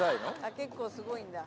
結構スゴいんだ。